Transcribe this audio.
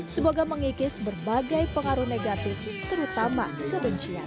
semoga mengikis berbagai pengaruh negatif terutama kebencian